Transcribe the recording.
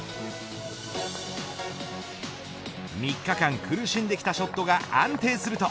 ３日間苦しんできたショットが安定すると。